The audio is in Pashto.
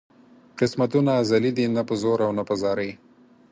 قسمتونه ازلي دي نه په زور او نه په زارۍ.